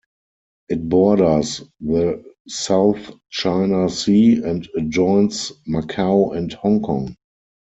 It borders the South China Sea and adjoins Macao and Hong Kong.